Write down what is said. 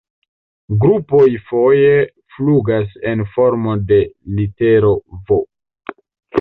Grupoj foje flugas en formo de litero "V".